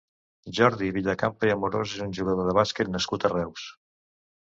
Jordi Villacampa i Amorós és un jugador de bàsquet nascut a Reus.